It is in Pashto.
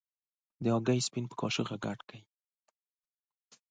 د هګۍ سپین په کاشوغه سره ګډ کړئ.